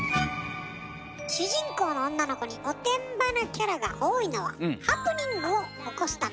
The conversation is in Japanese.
主人公の女の子におてんばなキャラが多いのはハプニングを起こすため。